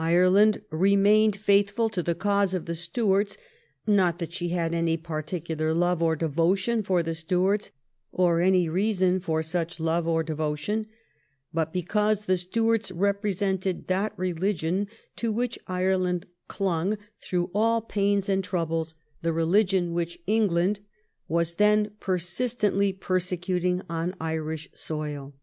Ireland remained faithful to the cause of the Stuarts, not that she had any particular love or devotion for the Stuarts, or any reason for such love or devotion, but because the Stuarts represented that religion to which Ireland clung through all pains and troubles, the religion which England was 1650 1703 ENGLISH MASTERS IN IRELAND. 195 then persistently persecuting on Irish soil.